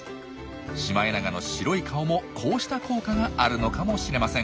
シマエナガの白い顔もこうした効果があるのかもしれません。